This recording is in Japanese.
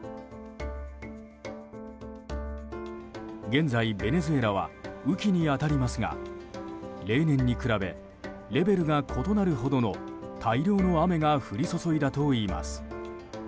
現在、ベネズエラは雨季に当たりますが例年に比べレベルが異なるほどの大量の雨が降り注いだといいます。